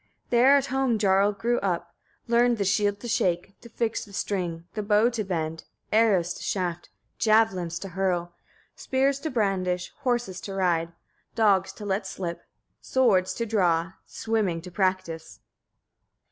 32. There at home Jarl grew up, learned the shield to shake, to fix the string, the bow to bend, arrows to shaft, javelins to hurl, spears to brandish, horses to ride, dogs to let slip, swords to draw, swimming to practise.